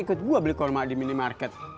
gua beli kurma di minimarket